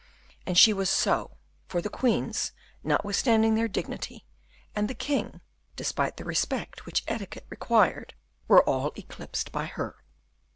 And she was so, for the queens, notwithstanding their dignity, and the king, despite the respect which etiquette required, were all eclipsed by her.